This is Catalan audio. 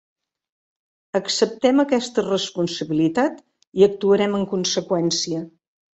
Acceptem aquesta responsabilitat i actuarem en conseqüència.